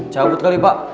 cabut kali pak